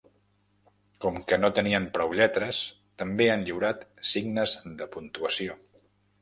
Com que no tenien prou lletres també han lliurat signes de puntuació.